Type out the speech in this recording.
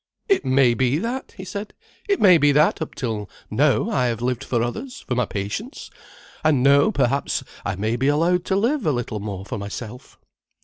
"It may be that," he said. "It may be that up till now I have lived for others, for my patients. And now perhaps I may be allowed to live a little more for myself."